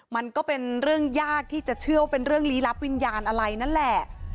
มันก็เป็นเรื่องยากที่จะเชื่อว่าเป็นเรื่องลี้ลับวิญญาณอะไรนั่นแหละ